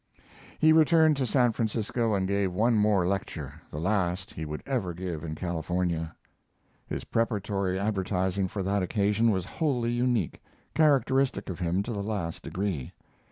He returned to San Francisco and gave one more lecture, the last he would ever give in California. His preparatory advertising for that occasion was wholly unique, characteristic of him to the last degree.